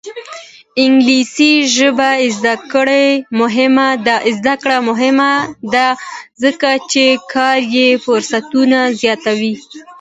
د انګلیسي ژبې زده کړه مهمه ده ځکه چې کاري فرصتونه زیاتوي.